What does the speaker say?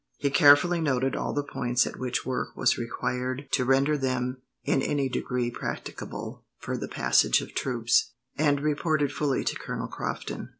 He carefully noted all the points at which work was required to render them in any degree practicable for the passage of troops, and reported fully to Colonel Crofton.